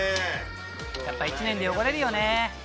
「やっぱ１年で汚れるよね」